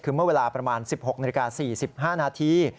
คือเมื่อเวลาประมาณ๑๖นาฬิกา๔๕นาที